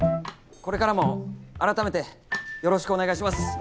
これからもあらためてよろしくお願いします。